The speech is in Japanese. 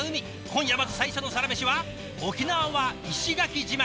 今夜まず最初のサラメシは沖縄は石垣島から。